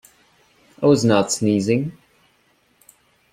I was not sneezing.